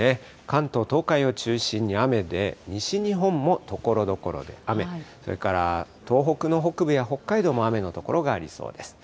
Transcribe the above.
関東、東海を中心に雨で、西日本もところどころで雨、それから東北の北部や北海道も雨の所がありそうです。